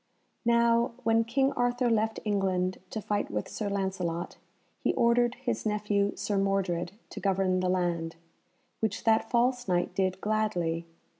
Now, when King Arthur left England to fight with Sir Lancelot, he ordered his nephew Sir Mordred to govern the land, which that false Knight did gladly.